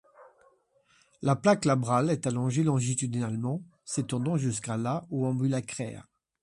La plaque labrale est allongée longitudinalement, s'étendant jusqu'à la ou ambulacraire.